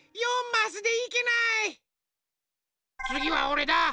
つぎはおれだ。